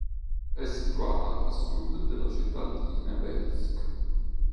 È situata a sud della città di Nevel'sk.